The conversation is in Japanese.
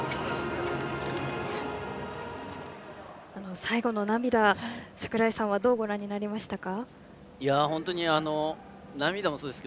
最後の涙、櫻井さんはどうご覧になりましたか？